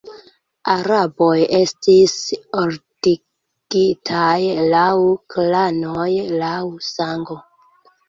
Araboj estis ordigitaj laŭ klanoj, laŭ sango.